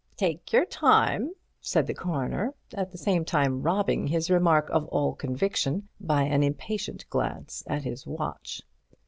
"Take your time," said the Coroner, at the same time robbing his remark of all conviction by an impatient glance at his watch.